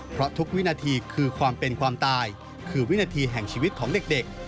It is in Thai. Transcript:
เพราะทุกวินาทีคือความเป็นความตายคือวินาทีแห่งชีวิตของเด็ก